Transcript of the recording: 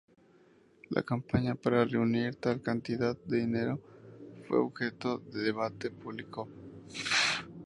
La campaña para reunir tal cantidad de dinero fue objeto de debate público.